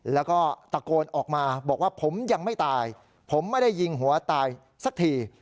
แล้วก็ตะโกนออกมาบอกว่าผมยังไม่ตายผมไม่ได้ยิงหัวตายสักที